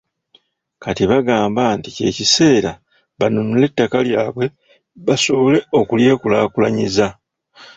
Kati bagamba nti kye kiseera banunule ettaka lyabwe basobole okulyekulaakulanyiza.